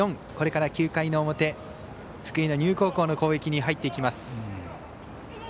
これから９回の表福井の丹生高校の攻撃に入っていきます。